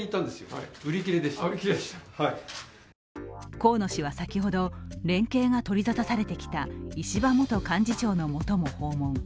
河野氏は先ほど連携が取り沙汰されてきた石破元幹事長のもとも訪問。